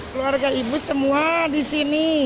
keluarga ibu semua di sini